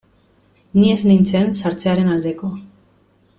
Ni ez nintzen sartzearen aldeko.